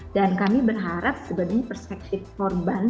dan kami berharap sebenarnya perspektif korban